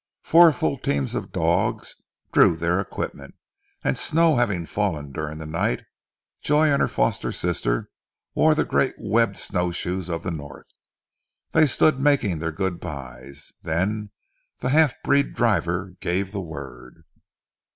Four full teams of dogs drew their equipment, and snow having fallen during the night, Joy and her foster sister wore the great webbed snowshoes of the North. They stood making their good byes, then the half breed driver gave the word.